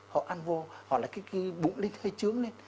họ ăn vô họ lại cái bụng lên hơi trướng lên